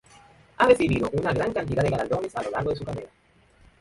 Ha recibido una gran cantidad de galardones a lo largo de su carrera.